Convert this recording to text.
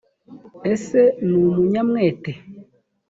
ese ni umunyamwete?